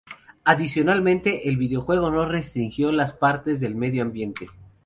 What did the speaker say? Adicionalmente, el videojuego no restringió las partes del medio ambiente.